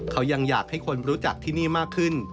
เขายังอยากให้คนรู้จักที่นี่มากขึ้น